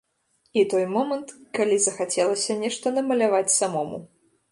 І той момант, калі захацелася нешта намаляваць самому.